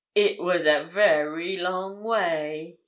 'It was a very long way.